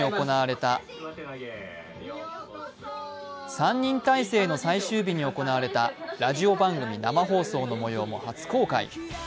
３人体制の最終日に行われたラジオ番組生放送の模様も初公開。